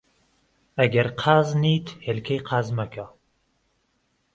ئەگەر قازنیت، هێلکەی قاز مەکە